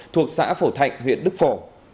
thuộc xã phổ thạnh huyện đức phổ